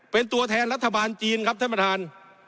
เป็นตัวแทนรัฐบาลจีนครับท่านประธาน